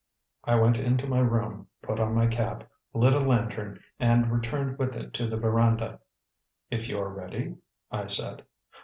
I went into my room, put on my cap, lit a lantern, and returned with it to the veranda. "If you are ready?" I said.